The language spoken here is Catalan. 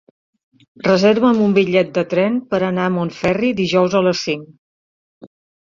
Reserva'm un bitllet de tren per anar a Montferri dijous a les cinc.